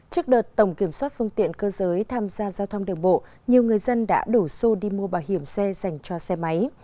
trước đợt tổng kiểm soát phương tiện cơ giới tham gia giao thông đường bộ nhiều người dân đã đổ xô đi mua bảo hiểm xe dành cho xe máy